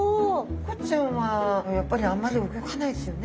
コチちゃんはやっぱりあんまり動かないですよね。